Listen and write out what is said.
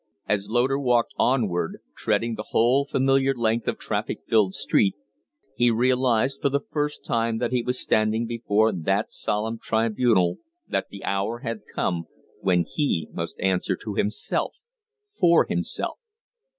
As Loder walked onward, treading the whole familiar length of traffic filled street, he realized for the first time that he was standing before that solemn tribunal that the hour had come when he must answer to himself for himself.